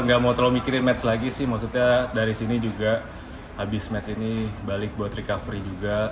nggak mau terlalu mikirin match lagi sih maksudnya dari sini juga habis match ini balik buat recovery juga